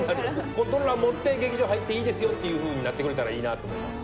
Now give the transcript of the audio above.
コントローラー持って劇場入っていいですよっていうふうになってくれたらいいなと思います。